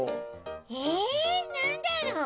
えなんだろう？